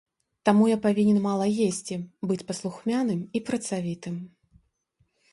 Таму я павінен мала есці, быць паслухмяным і працавітым.